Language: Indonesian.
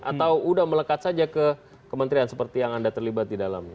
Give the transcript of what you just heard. atau sudah melekat saja ke kementerian seperti yang anda terlibat di dalamnya